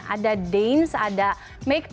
ada dance ada make